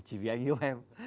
chỉ vì anh yêu em